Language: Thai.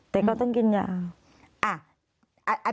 แต่เขาต้องกินยาว